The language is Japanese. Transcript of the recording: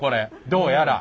どうやら。